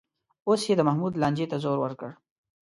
اوس یې د محمود لانجې ته زور ورکړ